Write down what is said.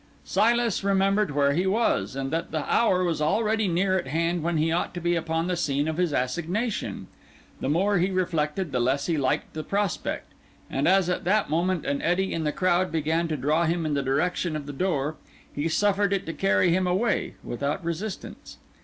Silas remembered where he was, and that the hour was already near at hand when he ought to be upon the scene of his assignation. The more he reflected the less he liked the prospect, and as at that moment an eddy in the crowd began to draw him in the direction of the door, he suffered it to carry him away without resistance.